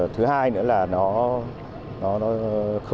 thứ hai nữa là nó cũng làm sạch nước hồ khử hết các cái mùi hôi thổi